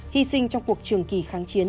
hy sinh trong cuộc trường kỳ kháng chiến